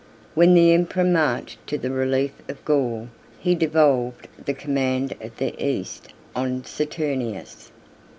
When the emperor marched to the relief of Gaul, he devolved the command of the East on Saturninus.